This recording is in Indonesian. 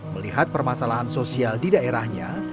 melihat permasalahan sosial di daerahnya